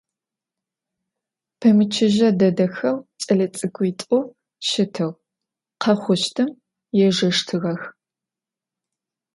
Pemıçıje dedexeu ç'elets'ık'uit'u şıtığ, khexhuştım yêjjeştığex.